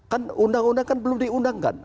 kan undang undang kan belum diundangkan